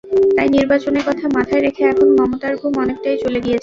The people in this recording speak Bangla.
তাই নির্বাচনের কথা মাথায় রেখে এখন মমতার ঘুম অনেকটাই চলে গিয়েছে।